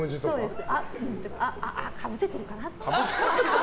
あ、かぶせてるかなとか。